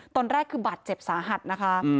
ตอนแรกคือบาดเจ็บสาหัสนะคะ